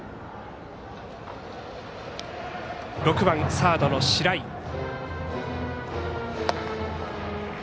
６番サードの白井。